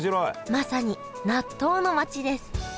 まさに納豆の街です